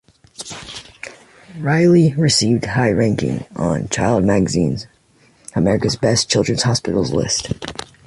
Riley received high ranking on "Child" magazine's America's best children's hospitals list.